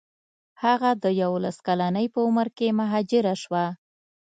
هغه د یوولس کلنۍ په عمر کې مهاجره شوه.